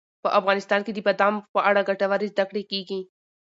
په افغانستان کې د بادامو په اړه ګټورې زده کړې کېږي.